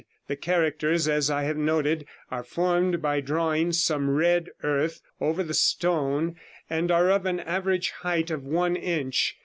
The characters, as I have noted, are formed by drawing some red earth over the stone, and are of an average height of one inch.